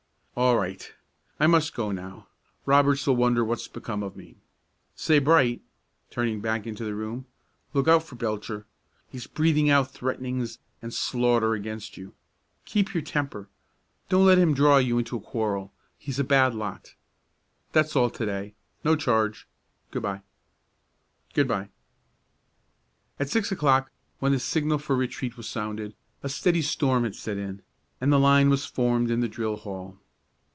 "All right! I must go now; Roberts'll wonder what's become of me. Say, Bright," turning back into the room, "look out for Belcher! He's breathing out threatenings and slaughter against you. Keep your temper; don't let him draw you into a quarrel, he's a bad lot. That's all to day. No charge. Good by." "Good by." At six o'clock, when the signal for retreat was sounded, a steady storm had set in, and the line was formed in the drill hall.